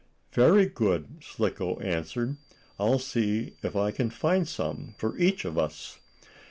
"Very good," Slicko answered. "I'll see if I can find some for each of us."